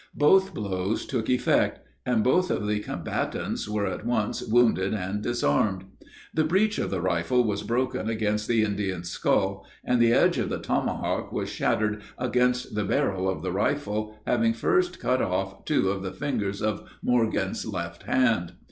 Both blows took effect; and both of the combatants were at once wounded and disarmed. The breech of the rifle was broken against the Indian's skull, and the edge of the tomahawk was shattered against the barrel of the rifle, having first cut off two of the fingers of Morgan's left hand.